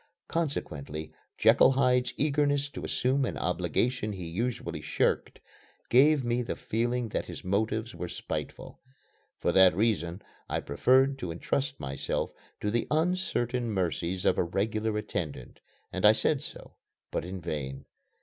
Consequently Jekyll Hyde's eagerness to assume an obligation he usually shirked gave me the feeling that his motives were spiteful. For that reason I preferred to entrust myself to the uncertain mercies of a regular attendant; and I said so, but in vain.